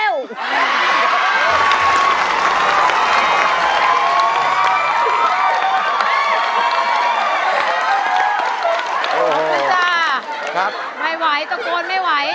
ขอบคุณจ้าไม่ไหวตะโกนไม่ไหว